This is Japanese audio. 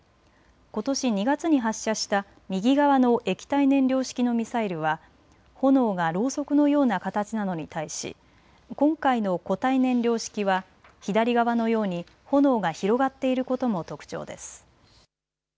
ことし２月に発射した右側の液体燃料式のミサイルは炎がろうそくのような形なのに対し今回の固体燃料式は左側のように炎が広がっていることも特徴です。